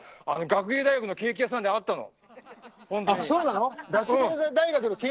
学芸大学のケーキ屋さんで会ったの！